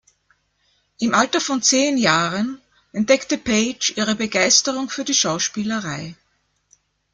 Im Alter von zehn Jahren entdeckte Page ihre Begeisterung für die Schauspielerei.